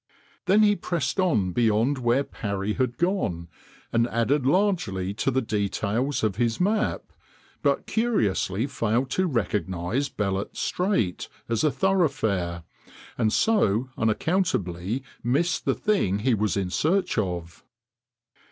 Then he pressed on beyond where Parry had gone, and added largely to the details of his map, but curiously failed to recognize Bellot Strait as a thoroughfare, and so unaccountably missed the thing he was in search of.